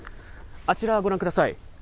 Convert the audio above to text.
あちらご覧ください。